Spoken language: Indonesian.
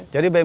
jadi bmkg itu